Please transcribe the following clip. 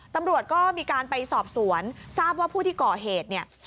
ตำรวจก็มีการไปสอบสวนทราบว่าผู้ที่ก่อเหตุเนี่ย